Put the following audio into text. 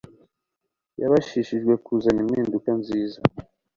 yabashishijwe kuzana impinduka nziza